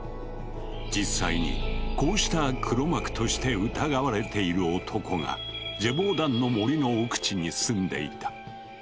実際にこうした黒幕として疑われている男がジェヴォーダンの森の奥地に住んでいた。